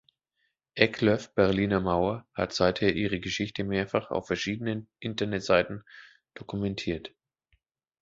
Eklöf-Berliner-Mauer hat seither ihre Geschichte mehrfach auf verschiedenen Internetseiten dokumentiert.